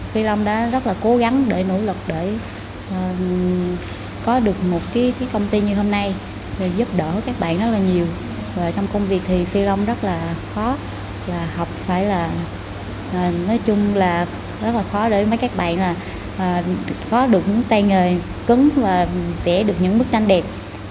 học phải là nói chung là rất là khó để mấy các bạn là có được tay nghề cứng và vẽ được những bức tranh đẹp